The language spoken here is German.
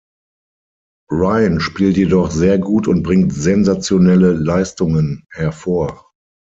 Ryan spielt jedoch sehr gut und bringt sensationelle Leistungen hervor.